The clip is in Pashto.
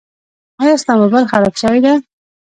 ایا ستا مبایل خراب شوی ده؟